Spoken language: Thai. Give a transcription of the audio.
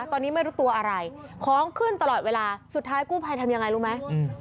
ตอนนี้ไม่รู้ตัวอะไรของขึ้นตลอดเวลาสุดท้ายกู้ภัยทำยังไงรู้ไหม